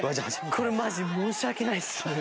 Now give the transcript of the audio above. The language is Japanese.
これマジで申し訳ないです。